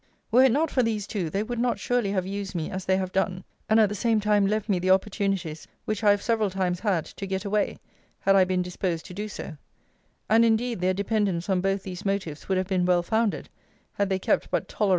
Were it not for these two, they would not surely have used me as they have done; and at the same time left me the opportunities which I have several times had, to get away, had I been disposed to do so:* and, indeed, their dependence on both these motives would have been well founded, had they kept but tolerable measures with me.